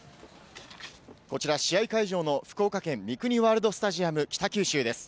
こちら試合会場の福岡県、ミクニワールドスタジアム北九州です。